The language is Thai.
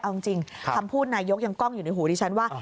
เอาจริงคำพูดนายกยังกล้องอยู่ในหูดิฉันว่า